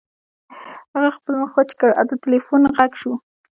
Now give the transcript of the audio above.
هغه خپل مخ وچ کړ او د ټیلیفون غږ شو